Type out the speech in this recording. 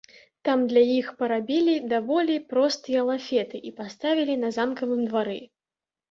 Там для іх парабілі даволі простыя лафеты і паставілі на замкавым двары.